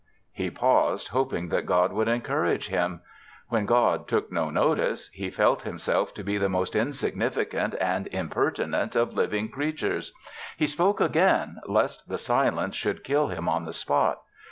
He paused, hoping that God would encourage him. When God took no notice, he felt himself to be the most insignificant and impertinent of living creatures. He spoke again, lest the silence should kill him on the spot.